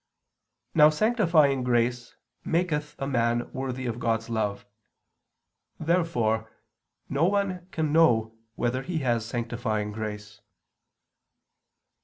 Now sanctifying grace maketh a man worthy of God's love. Therefore no one can know whether he has sanctifying grace.